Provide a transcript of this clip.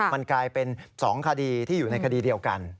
มันกลายเป็น๒คดีที่อยู่ในคดีเดียวกัน